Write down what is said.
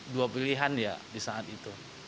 dua pilihan ya di saat itu